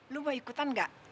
lu mau ikutan enggak